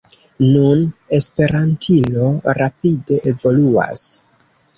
Nun Esperantilo rapide evoluas.